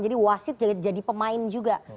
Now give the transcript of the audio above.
jadi wasit jadi pemain juga